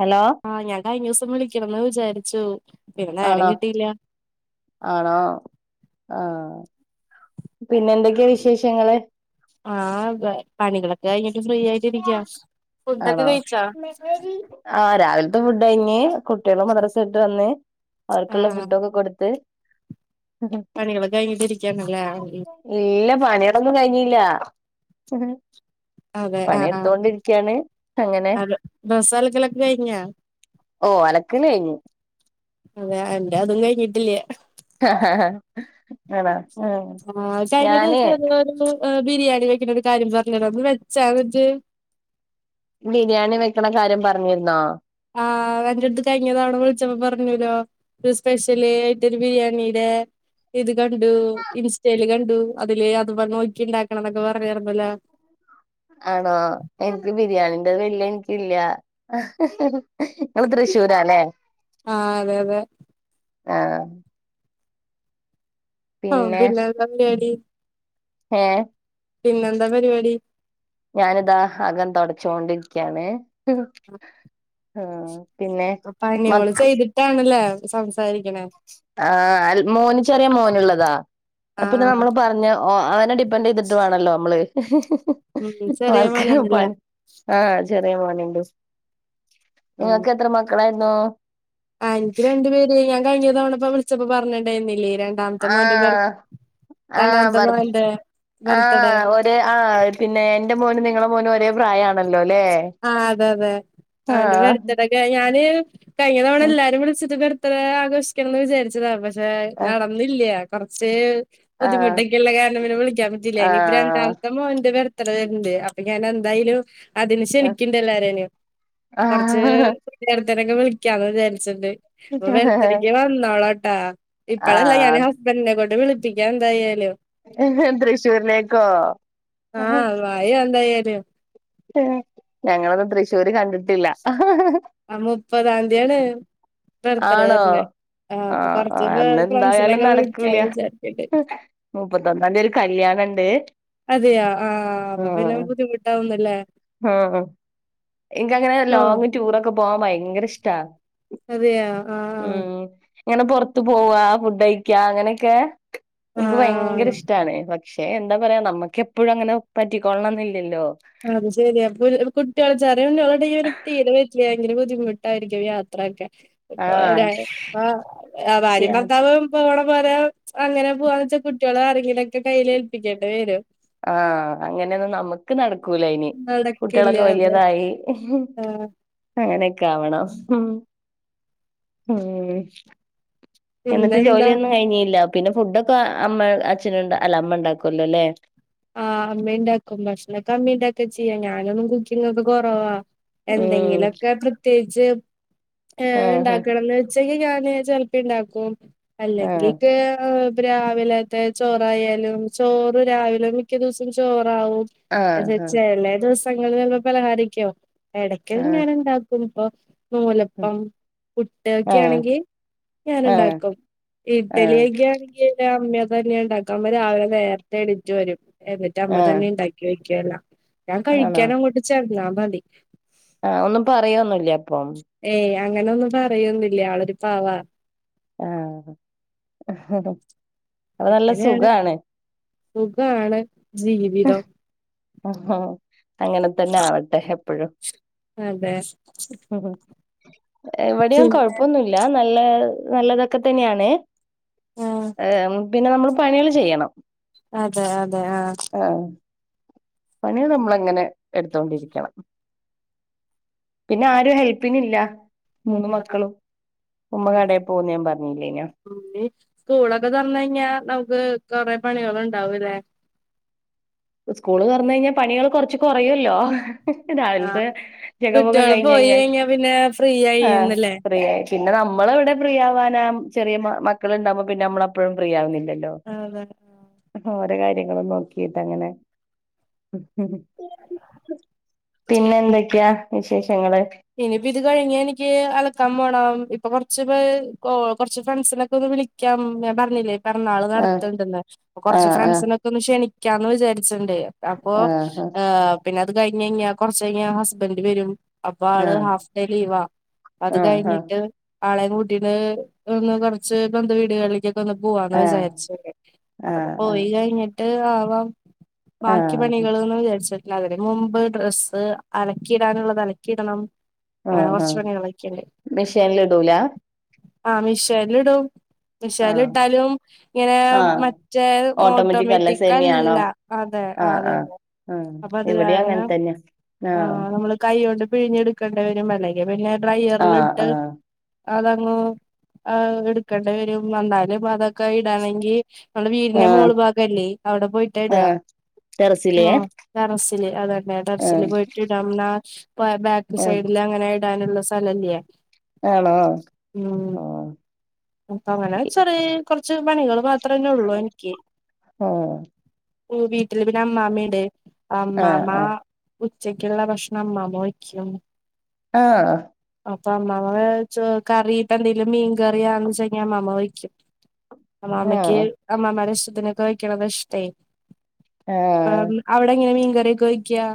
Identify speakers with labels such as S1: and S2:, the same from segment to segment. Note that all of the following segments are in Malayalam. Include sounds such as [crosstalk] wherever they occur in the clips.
S1: ഹലോ
S2: ആ ഞാൻ കഴിഞ്ഞ ദിവസം വിളിക്കണംന്ന് വിചാരിച്ചു പിന്നെ
S1: ആണോ
S2: നേരം കിട്ടിയില്ല
S1: ആണോ ആ പിന്നെ എന്തൊക്കെയാ വിശേഷങ്ങള്
S2: ആ പ പണികളൊക്കെ കഴിഞ്ഞിട്ട് ഫ്രീ ആയിട്ടിരിക്കാ ഫുഡൊക്കെ
S1: ആണോ
S2: കഴിച്ചോ
S1: ആഹ് രാവിലത്തെ ഫുഡ് കഴിഞ്ഞ് കുട്ടികള് മദ്രസ വിട്ട് വന്ന് അവർക്കുള്ള
S2: ആഹ്
S1: ഫുഡൊക്കെ കൊടുത്ത് ഉം
S2: പണികളൊക്കെ കഴിഞ്ഞിട്ട് ഇരിക്കാണല്ലേ ഉം
S1: ഇല്ല പണികളൊന്നും കഴിഞ്ഞില്ല
S2: അതെ ആഹ് ആഹ്
S1: പണിയെടുത്തോണ്ടിരിക്കയാണ് അങ്ങനെ
S2: അല ഡ്രസ്സ് അലക്കലൊക്കെ കഴിഞ്ഞാ
S1: ഓ അലക്കല് കഴിഞ്ഞു
S2: അതെയോ എന്റെ അതും കഴിഞ്ഞിട്ടില്ല
S1: ഹ ഹ ഹ ആണോ ആഹ്
S2: ആഹ് കഴിഞ്ഞ ദിവസം എന്തോ ഒരു ബിരിയാണി വെക്കണ ഒരു കാര്യം പറഞ്ഞില്ലേ അത് വെച്ചാ എന്നിട്ട്
S1: ബിരിയാണി വെക്കണ കാര്യം പറഞ്ഞിരുന്നോ
S2: ആ ഹ്എന്റെ അടുത്ത് കഴിഞ്ഞതാണോന്ന് വിളിച്ചപ്പോ പറഞ്ഞൂലോ ഒരു സ്പെഷൽ ആയിട്ടൊരു ബിരിയാണീടെ ഇത് കണ്ടു ഇൻസ്റ്റയിൽ കണ്ടു അതില് അതുപോലെ നോക്കി ഉണ്ടാക്കണം എന്നൊക്കെ പറഞ്ഞാരുന്നല്ലോ
S1: ആണോ എനിക്ക് ബിരിയാണീന്റെ വലിയ എനിക്കില്ല നിങ്ങള് തൃശ്ശൂരാല്ലേ
S2: ആഹ് അതെ അതെ
S1: ആഹ്
S2: ഉം പിന്നെ എന്താ പരിപാടി
S1: ഏ
S2: പിന്നെന്താ പരിപാടി
S1: ഞാനിതാ അകം തുടച്ചോണ്ടിരിക്കയാണ് ഉം ആഹ്
S2: അപ്പൊ പണിയോള് ചെയ്തിട്ടാണല്ലേ സംസാരി
S1: ആഹ് അൽ മോന് ചെറിയ മോനുള്ളതാ അപ്പൊ പിന്നെ
S2: ആഹ്
S1: നമ്മള് പറഞ്ഞ് ഓ അവനെ ഡിപ്പൻഡ് ചെയ്തിട്ട് വേണല്ലോ നമ്മള്
S2: ഉം ചെറിയ
S1: അവർക്ക്
S2: മോനാണല്ലേ
S1: പണി ആഹ് ചെറിയ മോനുണ്ട്
S2: ആഹ്
S1: നിങ്ങക്ക് എത്ര മക്കളായിരുന്നൂ
S2: ആഹ് എനിക്ക് രണ്ടു പേര് ഞാൻ കഴിഞ്ഞ തവണപ്പൊ വിളിച്ചപ്പോ പറഞ്ഞിണ്ടായിരുന്നില്ലേ രണ്ട് രണ്ടാമത്തെ
S1: ആ
S2: മോന്റെ ബർ
S1: ആ
S2: രണ്ടാമത്തെ മോന്റെ ബെർത്തഡേ
S1: അതെ ആ പിന്നെ എന്റെ മോനും നിങ്ങള മോനും ഒരേ പ്രായാണ് അല്ലോ ലേ ആഹ്
S2: ഞാ ഞാന് കഴിഞ്ഞ തവണ എല്ലാരും വിളിച്ചിട്ട് ബെർത്തിഡേ ആഘോഷിക്കണം എന്ന് വിചാരിച്ചതാ പക്ഷേ പക്ഷേ
S1: ആ
S2: നടന്നില്ല കൊറച്ച് ബുദ്ധിമുട്ടൊക്കെള്ള കാരണം പിന്നെ വിളിക്കാൻ പറ്റിയില്ല
S1: ആ
S2: ഇനിപ്പൊ രണ്ടാമത്തെ മോന്റെ ബെർ ആസേവര്ണ്ട് അപ്പൊ ഞാൻ എന്തായാലും അതിന് ക്ഷണിക്കണ്ട് എല്ലാരേനേം
S1: ആ ആ
S2: കൊറച്ച് ബെർ ത്തഡേഒക്കെ ക്കെ വിളിക്കാന്ന് വിചാരിച്ചിണ്ട് ഇപ്പൊ ബെർത്തടക്ക് വന്നോളാട്ടാ ഇപ്പഴല്ല
S1: ആ
S2: ഞാന് ഹസ് ബൻഡ്നെകൊണ്ട് വിളിപ്പിക്കാം എന്തായാലും
S1: എന്ത് തൃശ്ശൂരിലേക്കോ
S2: ആഹ് വായോ എന്തായാലും
S1: ഞങ്ങളൊന്നും തൃശ്ശൂര് കണ്ടിട്ടില്ല
S2: അ മുപ്പതാംതിയാണ് ബെർത്ത്ഡേ
S1: ആണോ
S2: വര്നെ ആഹ്
S1: ആ
S2: അപ്പൊ കൊറച്ച്
S1: അന്ന് എന്തായാലും
S2: ഫ്രൻസിനൊക്കെ വിളിക്കാന്ന് വിചാരിക്ക്ണ്ട്.
S1: മുപ്പത്തൊന്നാംതി ഒരു കല്യാണണ്ട്
S2: അതെയോ ആഹ് അപ്പൊ പിന്നെ ബുദ്ധിമുട്ടാവുന്നല്ലേ
S1: ആഹ് ഇൻക്കങ്ങനെ
S2: ഓ
S1: ലോങ്ങ് ടൂറൊക്കെ പോവാൻ ഭയങ്കര ഇഷ്ടാ
S2: അതെയോ ആഹ്
S1: ഉം ഇങ്ങനെ പൊറത്ത് പോവാഫുഡ് കഴിക്ക അങ്ങനെക്കെ ഇൻക്ക് ഭയങ്കര
S2: ആഹ്
S1: ഇഷ്ടാണ് ഇതൊക്കെ ക്ഷെ എന്താ പറയാ നമ്മക്ക് എപ്പഴും അങ്ങനെ പറ്റിക്കോളണം എന്നില്ലല്ലോ.
S2: അത് ശരി അപ്പൊ കുട്ടിയോട് ചെറിയ [unintelligible] തീരം പറ്റൂല ഭയങ്കര ബുദ്ധിമു യിരിക്കും യാത്രൊക്കെ
S1: ആ
S2: ഇപ്പൊ ഭാര്യ ഭർത്താവും. പോകണ പോലെ അങ്ങനെ പോവാന്ന് വെച്ചാൽ കുട്ടികളെ ആരെങ്കിലുക്കെ കയ്യില് ഏൽപ്പിക്കേണ്ടി വരും.
S1: ആഹ് അങ്ങനെന്നും നമ് ക്ക് നടക്കൂലയ്ന് കുട്ട്യാളൊക്കെ
S2: നടക്കില്ലാതെ
S1: വല്യേതായി.
S2: ആഹ്
S1: അങ്ങനെക്കാവണം ഉം എന്നിട്ട്
S2: പിന്നെന്താ
S1: ജോലിയൊന്നും കഴിഞ്ഞില്ല. പിന്നെ ഫുഡൊക്കെ അമ്മ അച്ഛന അല്ല അമ്മ ഇണ്ടാക്കുല്ലോ അല്ലേ?
S2: ആഹ് അമ്മ ഇണ്ടാക്കും ഭക്ഷണൊക്കെ അമ്മിണ്ടാക്കി വെച്ചിക്കാ ഞാനൊന്നും കുക്കിങ്ങൊക്കെ കൊറവാ.
S1: ഉം
S2: എന്തെങ്കിലൊക്കെ പ്രത്യേകിച്ച് ഏഹ്
S1: ആഹ്
S2: ഇണ്ടാക്കണന്ന്. ഉച്ചക്ക് ഞാന് ചെലപ്പിണ്ടാക്കും അല്ലെങ്കി
S1: ആഹ്
S2: ഏഹ് രാവിലെത്തെ ചോറായാലും ചോറ് രാവിലെ. മിക്ക ദിവസും ചോറാവും
S1: ആഹ്
S2: ചെലെ ദിവസങ്ങളിലൊക്കെ പലഹാരെക്കാവും. എടക്കും ഞാൻ
S1: ആഹ്
S2: ഇണ്ടാക്കും ഇപ്പൊ നൂലപ്പം, പുട്ട് ഒക്കെ
S1: ആഹ്
S2: ആണെങ്കി
S1: ആഹ്
S2: ഞാന്ണ്ടാക്കും
S1: ആഹ്
S2: ഇഡ്ഡലിയൊക്കെ അമ്മ തന്നെ ഇണ്ടാക്ക അമ്മ രാവിലെ നേരത്തെ എണീറ്റ് വരും എന്നിട്ട് അമ്മ
S1: ആഹ്
S2: തന്നെ ഇണ്ടാക്കി ക്കല്ല ഞാൻ കഴിക്കാനങ്ങോട്ട് ചെന്നാമതി.
S1: ആഹ്ംഒന്നും പറയൊന്നുല്ലേ അപ്പം?
S2: ഏയ് അങ്ങനൊന്നും പറയൊന്നുല്ല ആളൊരു പാവാ
S1: ആഹ് അപ്പൊ നല്ല
S2: അങ്ങനെയാണ്
S1: സുഖാണ്
S2: സുഖാണ് ജീവിതം.
S1: അങ്ങനെ തന്നെ ആവട്ടെ എപ്പഴും.
S2: അതെ
S1: ഇവിടേം
S2: പിന്നെ
S1: കൊഴപ്പൊന്നുല്ല. ല്ല നല്ലതൊക്കെ തന്നെയാണ്
S2: ആഹ്
S1: പിന്നെ നമ്മള് പണികള് ചെയ്യണം.
S2: അതെ അതെ ആഹ്.
S1: ആഹ് പണി നമ്മളങ്ങനെ എടുതോണ്ടിരിക്കണം. പിന്നെ ആരും ഹെൽപ്പിനില്ല മൂന്ന്
S2: ആഹ്
S1: മക്കളും ഉമ്മ
S2: ഉം
S1: കടെ പോവുംന്ന് ഞാൻ പറഞ്ഞില്ലെയ്നോ.
S2: സ്കൂളൊക്കെ തൊർന്ന് കഴിഞ്ഞാ നമുക്ക് കൊറെ പണികള് ഇണ്ടാവൂല്ലേ?
S1: സ്കൂള് തൊറന്നഴിഞ്ഞാ പണികൾ കൊറച്ച് കൊറയൊല്ലോ. രാവിൽത്തെ
S2: ആഹ്
S1: ജഗ പൊക
S2: കുട്ടികള്
S1: കഴിഞ്ഞ്
S2: പോയി
S1: കഴിഞ്ഞാ
S2: പിന്നെ ഫ്രീ
S1: ആഹ്
S2: ആയിന്നല്ലേ
S1: ഫ്രീയായി. പിന്നെ നമ്മളെവിടെ ഫ്രീ ആവാനാ ചെറിയ മക്കള്ണ്ടാവുമ്പൊ പിന്നെ നമ്മളെപ്പഴും ഫ്രീ ആവുന്നില്ലല്ലോ.
S2: ആഹ് അതാണ്
S1: ഓരെ കാര്യങ്ങളും നോക്കിട്ട് അങ്ങനെ മ് പിന്നെ എന്തൊക്കെയാ വിശേഷങ്ങള്
S2: ഇനിയിപ്പ ഇത് കഴിഞ്ഞ എനിക്ക് അലക്കാൻ പോണം ഇപ്പൊ കൊറച്ച് കുറച്ച് ഫ്രണ്ട്സിനൊക്കെ ഒന്ന് വിളി ക്കാം ഞാൻ പറഞ്ഞില്ലേ പിറന്നാള്
S1: ആഹ്
S2: നടത്ത്ണ്ട്ന്ന് അപ്പൊ കൊറച്ച്
S1: ആഹ് ആഹ്
S2: ഫ്രണ്ട്സിനൊക്കെ ഒന്ന് ക്ഷണിക്കാന്ന് വിചാരിച്ചിണ്ടെ അപ്പൊ
S1: ആഹ്
S2: പിന്നെ അത് കയ്ഞ്ഞയ്ഞ്ഞാ കൊർച്ചയ്ഞ്ഞ ഹസ്ബൻ്റ് വരും അപ്പ ആള് ഹാഫ്ഡേ ലീവാ അത്
S1: ആഹ് ആഹ്
S2: കഴിഞ്ഞിട്ട് ആളേം കുട്ടീട്ട് ഒന്ന് കുറച്ച് ബന്ധു വീടുകളിലേക്ക് ഒന്ന് പോവാന്ന്
S1: ആഹ്
S2: വിചാരിച്ച്ണ്ട്
S1: ആഹ്
S2: അതൊക്കെ
S1: ആഹ്
S2: പോയി കഴിഞ്ഞിട്ട് ആവാം
S1: ആഹ്
S2: ബാക്കി
S1: ആഹ്
S2: പണികൾന്ന് വിചാരിച്ചിട്ടില്ല അതിന് മുമ്പ് ഡ്രസ്സ് അലക്കിയിടാനുള്ളത് അല കിടണം അങ്ങനെ
S1: ആഹ്
S2: കെർച്ച്
S1: ആഹ്
S2: പണികളോക്കിണ്ട്
S1: മെഷീനിൽ ഇടൂല
S2: ആഹ് മിഷലിടും
S1: ആഹ്
S2: മിഷേലിട്ടാലും ഇങ്ങനെ
S1: ആഹ്
S2: മറ്റേ
S1: ഓട്ടോമാറ്റിക് അല്ല സെമി ആണോ
S2: ഓട്ടോമിറ്റിക്കല്ല അതെ ആഹ് അതന്നെ
S1: ആഹ്
S2: അപ്പൊ അത്
S1: ഇവടെയും അങ്ങൻ തന്നെ ആഹ്
S2: കൈയൊണ്ട് പിഴിഞ്ഞെടുക്കേണ്ടവരും അല്ലെങ്കി പിന്നെ
S1: ആഹ്
S2: ഡ്രയറിലിട്ട്
S1: ആഹ്
S2: അതങ്ങ് ആഹ് എടുക്കേണ്ടി വെരും വന്നാലും അതൊക്കെ ഇടണെങ്കി നമ്മടെ വീടിന്റെ
S1: ആഹ്
S2: മോള് ഭാഗല്ലേ അവടെ പോയിട്ടാ ഇട
S1: ആഹ് ടെറസിലേ
S2: മ് ഡെറസില് അതന്നെ ഡെറസില്
S1: ആഹ്
S2: പോയിട്ട് ഇടാം എന്നാ ബാ ബാക്ക്
S1: ആഹ്
S2: സൈഡില് അങ്ങനെ ഇടാനുള്ള സ്ഥല ഇല്ല്യയെ
S1: ആണോ
S2: മ്
S1: ആഹ്
S2: അപ്പം അങ്ങനെ ചെറി കൊറച്ച് പണികള് ബാ അത്രന്നേ ഉള്ളു എനിക്ക്
S1: ആഹ്
S2: വീട്ടില് പിന്നെ അമ്മാമ്മയിണ്ട് അമ്മാമ്മ
S1: ആഹ്
S2: ഉച്ചക്കൊള്ള ഭക്ഷണം അമ്മാമ്മ വെക്കും
S1: ആഹ്
S2: അപ്പൊ അമ്മാമ്മ കറി ഇപ്പ എന്തെലും മീൻ കറിയാന്ന് വെച്ച് കയിഞ്ഞ അമ്മാമ്മ വെക്കും അമ്മാമ്മയ്ക്ക്
S1: ആഹ്
S2: അമ്മാമ്മേടെ ഇഷ്ടത്തിനൊക്കെ വെയ്ക്കണത് ഇഷ്ടേ
S1: ആഹ്
S2: അപ്പം അവടെ എങ്ങനെ മീൻകറി ഒക്കെ വെക്ക്യാ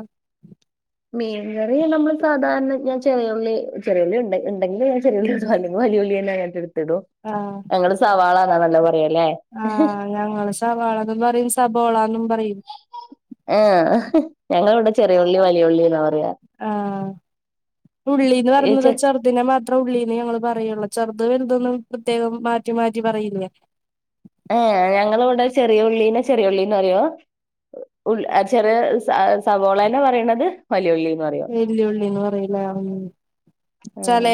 S1: മീൻകറി നമ്മൾ സധാരണ ഞാൻ ചെറിയുള്ളി ചെറിയുള്ളി ഉണ്ടെ ഉണ്ടെങ്കി ഞാൻ [unintelligible] വലിയുള്ളി തന്നെ എടുത്തിടോ
S2: ആഹ്
S1: ഞങ്ങള് സവാളാന്നാ [unintelligible] പറയല്ലേ
S2: ആഹ് ഞങ്ങള് സവാളാന്നും പറയും സബോളാന്നും പറയും
S1: ആഹ് ഞങ്ങള് ഇവടെ ചെറിയുള്ളി വലിയുള്ളിന്നാ പ
S2: ആഹ് ഉള്ളിന്ന് പറയുന്നത് ചെർ തിനെ മാത്രം ഉള്ളീന്ന് ഞങ്ങള് പറയുള്ള് ചെറുത് വലുതൊന്നും പ്രത്യേകം മാറ്റി മാറ്റി പറയില്ല
S1: ഏയ് ഞങ്ങള് ഇവടെ ചെറിയ ഉള്ളിനെ ചെറിയ ഉള്ളിന്ന് പറയും ഉള് ചെറിയ സ സവോളെനെ പറയണത് വലിയുള്ളിന്ന് പറയും
S2: വല്യയുള്ളിന്ന് പറയുല്ലേ മ് ച്ചാലെ
S1: ഉം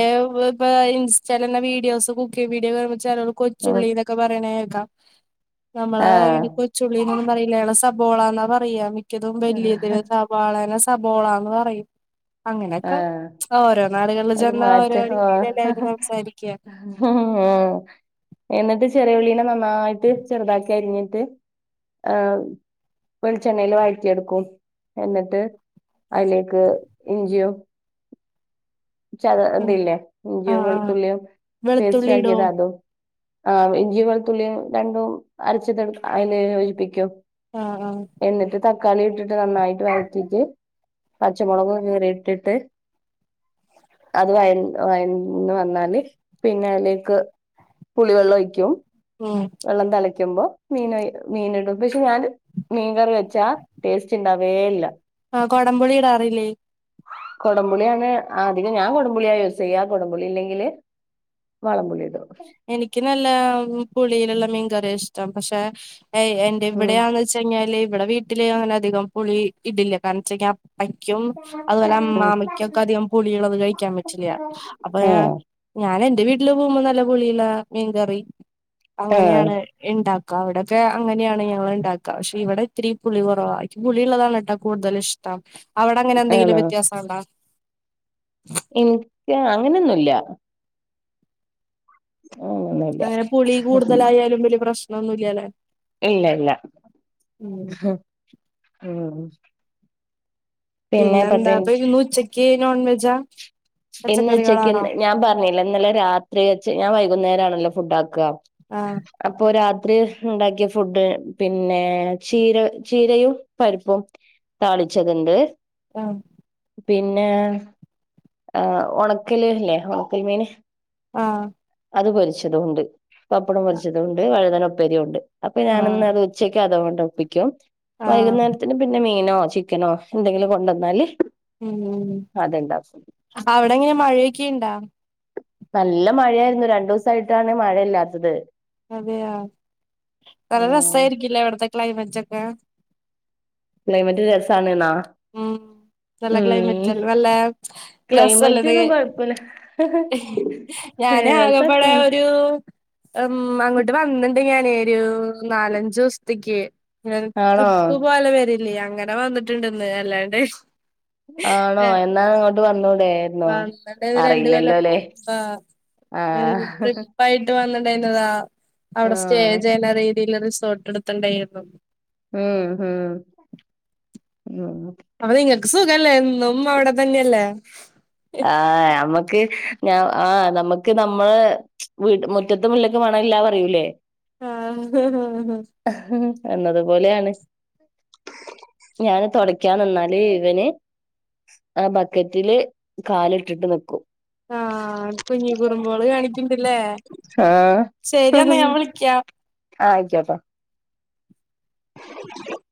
S2: ഇപ്പ ഇൻസ്റ്റാലന്നെ വീഡിയോസ് കുക്കിങ്ങ് വീഡിയോ കാണുമ്പോ ചെല
S1: ഉം
S2: കൊച്ചുള്ളിന്നൊക്കെ പറയണേക്കാം നമ്മളാ
S1: ആഹ്
S2: [unintelligible] കൊച്ചുള്ളിനൊന്നും പറയില്ല ഞങ്ങള് സബോളന്നാ പറയാ മിക്കതും വല്യയതിനും സവാളെനെ സബോളാന്ന് പറയും അങ്ങനെയൊക്കെ
S1: ആഹ്
S2: ഓരോ നാടുകളില്
S1: ഒരു
S2: ചെന്നാ ഓരോ
S1: മാറ്റം
S2: രീതിയില് എല്ലാവരും സംസാരിക്യ
S1: മ് എന്നിട്ട് ചെറിയ ഉളളിനെ നന്നായിട്ട് ചെറുതാക്കി അരിഞ്ഞിട്ട് ആഹ് വെളിച്ചെണ്ണെല് വഴറ്റിയെടുക്കും എന്നിട്ട് അയിലേക്ക് ഇഞ്ചിയും ച്ച് അത്
S2: ഉം
S1: ഇതില്ലേ ഇഞ്ചിയും
S2: ആഹ് ആഹ്
S1: വെളുത്തുളളിയും
S2: വെളുത്തുള്ളി ഇടോ
S1: പേസ്റ്റക്കിയത് അതും ആഹ് ഇഞ്ചിയും വെളുത്തുള്ളിയും രണ്ടും അരച്ചത് അയിന് [unintelligible]
S2: ആഹ് ആഹ്
S1: എന്നിട്ട് തക്കാളി ഇട്ടിട്ട് നന്നായിട്ട് വഴറ്റിട്ട് പച്ചമൊളക് കീറിട്ടി ട്ട് അത് വഴഞ്ഞ് വയന്ന് വന്നാല് പിന്നെ അയിലേക്ക് പുളിവെള്ളം ഒയിക്കും
S2: ഉം
S1: വെള്ളം തളയ്ക്കുമ്പോ മീനയ് മീനിടും പക്ഷെ ഞാൻ മീൻകറി വെച്ചാ ടേസ്റ്റ് ഇണ്ടാവേ ഇല്ല
S2: ആഹ് കൊടംപുളി ഇടാറില്ലേ?
S1: കൊടംമ്പുളിയാണ് അധികം ഞാൻ കൊടപുളിയാ യൂസ് ചെയ്യാ കൊടംപുളി ഇല്ലെങ്കില് വാളൻ പുളി ഇടും
S2: എനിക്ക് നല്ല ഉം പുളിയില്ള്ള മീൻ കറിയാ ഇഷ്ടം പക്ഷെ എ എന്റെ
S1: ഉം
S2: ഇവിടെയാണ് ച്ചെഞ്ഞാല് ഇവടെ വീട്ടില് അങ്ങനധികം പുളി ഇടില്ല. കാരണം ചെ ക്കാ അക്കും
S1: ഉം
S2: അമ്മാമയ്കൊക്കെ അധികം പുളികളൊന്നും കഴിക്കാൻ പറ്റില്ല അപ്പൊ
S1: ആഹ്
S2: ഞാൻ ഞാൻ എന്റെ വീട്ടില് പോകുമ്പോ നല്ല പുളിള്ള മീൻകറി
S1: ആഹ്
S2: അങ്ങനെയാണ് ഇണ്ടാക്കാ അവ്ടൊക്കെ അങ്ങനെയാണ് ഞങ്ങള്ണ്ടാക്കാ, പക്ഷെ ഇവിടെ ഇത്തിരി പുളി കുറവാ. ഇച്ച് പുളിള്ളതാണ് ട്ടോ കൂടുതൽ ഇഷ് ട്ടാ അവട അങ്ങനെ എന്തെങ്കിലും
S1: ആണോ
S2: വ്യത്യാസം ഒണ്ടാ?
S1: ഇൻക്ക് അങ്ങനെന്നുല്ല ആങ്ങനെ
S2: അങ്ങനെ പുളി കൂടുതലായാലും വെല്യ പ്രശ്നൊന്നുല്ലല്ലെ?
S1: ഇല്ല ഇല്ല ഉം പിന്നെ പത്ത്
S2: പിന്നെന്താ
S1: മിനിറ്റ്
S2: അപ്പന്ന് ഉച്ചക്ക് നോൺ വെജാ?
S1: ഇന്ന് ഉച്ചക്ക്
S2: പച്ചക്കറികളാണോ
S1: ഞാൻ പറഞ്ഞിലെ ഇന്നലെ രാത്രി വെച്ച് ഞാൻ വൈകുന്നേരം ആണല്ലോ ഫുഡ് ആക്കാ
S2: ആഹ്
S1: അപ്പൊ രാത്രി ണ്ടാക്കിയ ഫുഡ് പിന്നെ ചീര ചീരയും പരിപ്പും താളിച്ചത്ണ്ട്
S2: ആഹ്
S1: പിന്നെ ആഹ് ഒണക്കല് ല്ലേ ഒണക്കൽ മീന്.
S2: ആഹ്
S1: അത് പൊരിച്ചതൊണ്ട്, പപ്പടം പൊരിച്ചതൊണ്ട്, വഴുതന ഉപ്പേരിയുണ്ട് അപ്പൊ ഞാനന്ന്
S2: ആഹ്
S1: അത് ഉച്ചയ്ക്ക് അതൊണ്ട് ഒപ്പിക്കും
S2: ആഹ്
S1: വൈകുന്നേരത്തിന് പിന്നെ മീനോ ചിക്കനോ എന്തെങ്കിലും കൊണ്ടുവന്നാല്
S2: ഉം
S1: അതുണ്ടാക്കും
S2: അവടെ ങ്ങനാ മഴയൊക്കെണ്ടാ
S1: നല്ല മഴയായിരുന്നു രണ്ടുസായിട്ടാണ് മഴയില്ലാത്തത്.
S2: അതെയാ നല്ല
S1: ഉം
S2: രസായിരിക്കില്ലേ വടെത്തെ ക്ലൈമറ്റ് ഒക്കെ?
S1: ക്ലൈമറ്റ് രസാണ് ന്നാ
S2: ഉം നല്ല ക്ലൈമറ്റ് അല്ല നല്ല
S1: ക്ലൈമറ്റ്
S2: രസല്ലത്
S1: ഒന്നും കൊഴപ്പില്ല
S2: ഞാനാകബടെ
S1: രസൊക്കെയാണ്
S2: ഒരു ഉം അങ്ങോട്ട് വന്ന്ണ്ട് ഞാന് ഒരു നാലഞ്ചോസ്ത്തേക്ക്. എൻ
S1: ആണോ
S2: ട്രിപ്പ് പോലെ വരില്ല്യേ? അങ്ങനെ വന്നിട്ടുണ്ടന്ന് അല്ലാണ്ട്.
S1: ആണോ എന്നാ അങ്ങോട്ട് വന്നൂടെേ?
S2: വന്നത് രണ്ട് കൊല്ലം മുമ്പാ
S1: ആഹ്
S2: [unintelligible] പ്പായിട്ട് വന്നിട്ടണ്ടായിരുന്നതാ അവടെ സ്റ്റേ
S1: ആഹ്
S2: ചെയ്യണ്ട രീതിയിലത് റിസോർട്ട് ട്ത്ത്ണ്ടായിരുന്നു.
S1: ഉം ഉം ഉം
S2: അപ്പ നിങ്ങക്ക് സുഖല്ലേ എന്നും അവടെ തന്നെയല്ലേ?
S1: ആഹ് ഞമ്മക്ക് ഞ ആഹ് നമ്മക്ക് ഞമ്മളെ വീട്ട് മു റ്റത്തെ മുല്ലക്ക് മണമില്ല പറയൂലേ?
S2: ആഹ്
S1: എന്നതുപോലെയാണ് ഞാന് തൊടക്കാൻ നിന്നാല് ഇവന് ആ ബക്കറ്റില് കാല്ട്ട്ട്ട് ന്ക്കും
S2: ആഹ് കുഞ്ഞി കുറുമ്പോള് കാണിക്കിണ്ടില്ലേ
S1: ആഹ്
S2: ശരിയെന്നാ ഞാൻ വിളിക്കാം
S1: ആഹ് ആയ്ക്കോട്ടെ [inaudible]